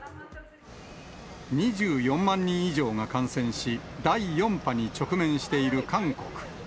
２４万人以上が感染し、第４波に直面している韓国。